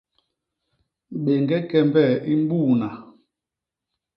Béñge kembe i mbuuna.